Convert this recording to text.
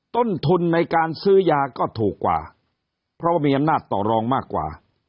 ต้นทุนในการซื้อยาก็ถูกกว่าเพราะว่ามีอำนาจต่อรองมากกว่า